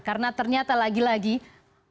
karena ternyata lagi langsung